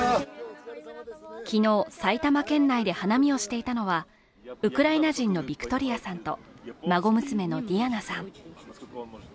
昨日、埼玉県内で花見をしていたのは、ウクライナ人のヴィクトリアさんと孫娘のディアナさん。